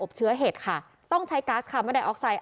เชื้อเห็ดค่ะต้องใช้ก๊าซคาร์บอนไดออกไซด